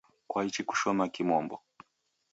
Kwaichi kushoma kimombo?